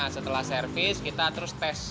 setelah servis kita terus tes